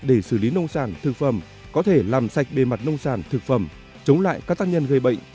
để xử lý nông sản thực phẩm có thể làm sạch bề mặt nông sản thực phẩm chống lại các tác nhân gây bệnh